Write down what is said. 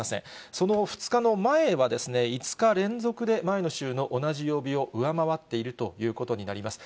その２日の前は、５日連続で前の週の同じ曜日を上回っているということになります。